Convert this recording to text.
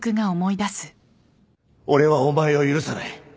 俺はお前を許さない